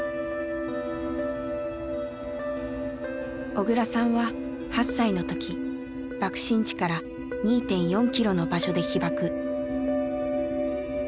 小倉さんは８歳の時爆心地から２．４キロの場所で被爆。